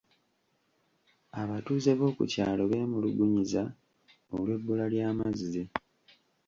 Abatuuze b’oku kyalo bemulugunyiza olw'ebbula ly'amazzi.